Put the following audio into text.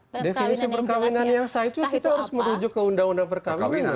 definisi perkawinan yang sah itu kita harus menuju ke undang undang perkahwinan